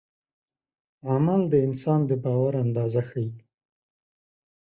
عمل د انسان د باور اندازه ښيي.